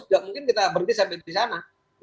tidak mungkin kita berhenti sampai disana